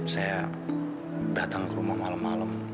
saya datang ke rumah malam malam